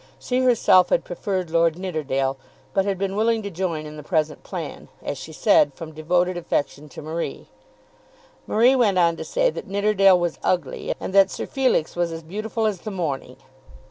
She herself had preferred Lord Nidderdale, but had been willing to join in the present plan, as she said, from devoted affection to Marie. Marie went on to say that Nidderdale was ugly, and that Sir Felix was as beautiful as the morning.